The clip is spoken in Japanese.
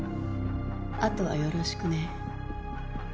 あとはよろしくね。